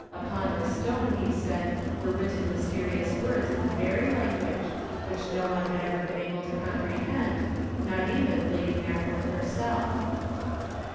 Upon the stone, he said, were written mysterious words in the fairy language, which no one had ever been able to comprehend, not even Lady Mackworth herself.